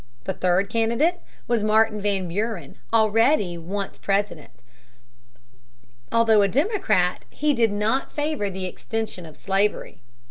The third candidate was Martin Van Buren, already once President. Although a Democrat, he did not favor the extension of slavery.